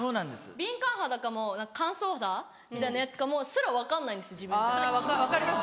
敏感肌かも乾燥肌みたいなやつかもすら分かんないんです自分じゃ。